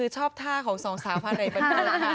ชอบท่าของสองสาวหญิงพาเรศบันเทิง